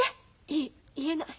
いい。言えない。